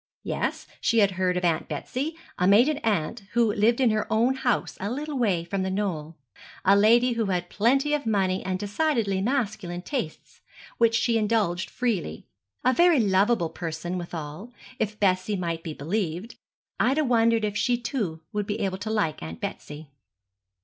Yes, she had heard of Aunt Betsy a maiden aunt, who lived in her own house a little way from The Knoll. A lady who had plenty of money and decidedly masculine tastes, which she indulged freely; a very lovable person withal, if Bessie might be believed. Ida wondered if she too would be able to like Aunt Betsy.